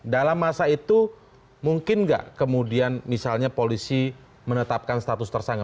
dalam masa itu mungkin nggak kemudian misalnya polisi menetapkan status tersangka